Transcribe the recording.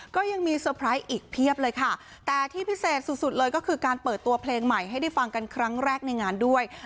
ก็ยังมีเซอร์ไพรส์อีกเพียบเลยค่ะแต่ที่พิเศษสุดสุดเลยก็คือการเปิดตัวเพลงใหม่ให้ได้ฟังกันครั้งแรกในงานด้วย